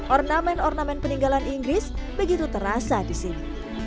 ornamen ornamen peninggalan inggris begitu terasa di sini